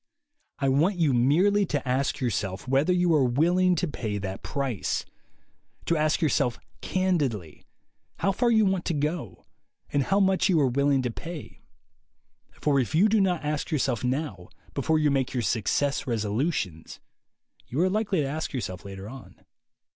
I want you merely to ask yourself whether you are willing to pay that price; to ask yourself candidly how far you want to go and how much you are willing to pay; for if you do not ask yourself now, before you make your Success resolutions, you are likely to ask yourself later on.